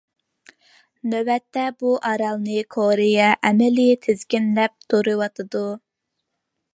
نۆۋەتتە، بۇ ئارالنى كورېيە ئەمەلىي تىزگىنلەپ تۇرۇۋاتىدۇ.